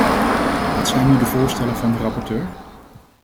Wat zijn nu de voorstellen van de rapporteur?